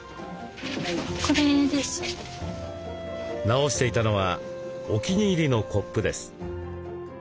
直していたのはお気に入りのコップです。